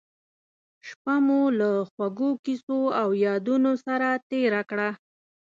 شپه مو له خوږو کیسو او یادونو سره تېره کړه.